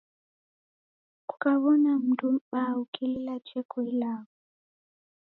Kukawona mndu mbaa ukilila jeko ilagho.